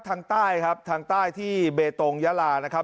ทางใต้ครับทางใต้ที่เบตงยาลานะครับ